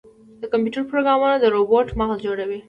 د کمپیوټر پروګرامونه د روبوټ مغز جوړوي.